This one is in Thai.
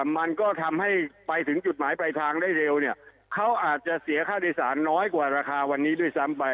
มันก็ทำให้ไปถึงจุดหมายปลายทางได้เร็วเนี่ยเขาอาจจะเสียค่าโดยสารน้อยกว่าราคาวันนี้ด้วยซ้ำไป